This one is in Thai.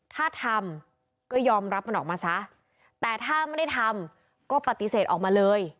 ถ้าทำก็ยอมรับมันออกมาซะแต่ถ้าไม่ได้ทำก็ปฏิเสธออกมาเลย